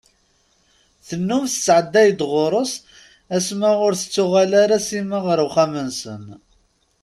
Tennum tattɛedday-d ɣur-s asma ur tettuɣal ara Sima ɣer uxxam-nsen.